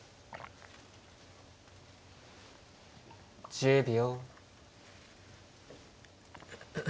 １０秒。